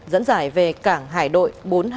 dẫn dải về cảng hải đội bốn trăm hai mươi một